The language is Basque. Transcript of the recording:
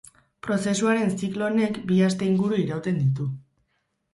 Prozesuaren ziklo honek bi aste inguru irauten ditu.